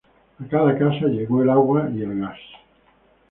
A cada casa llegó el agua y el gas.